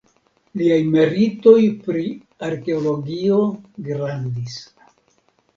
Liaj meritoj pri arkeologio grandis.